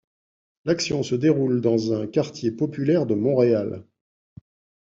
L'action se déroule dans un quartier populaire de Montréal.